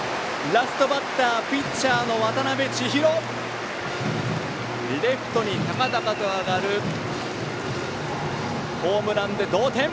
ラストバッターピッチャーの渡辺千尋レフトに高々と上がるホームランで同点！